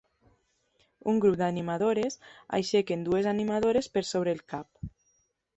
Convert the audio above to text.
Un grup d'animadores aixequen dues animadores per sobre el cap.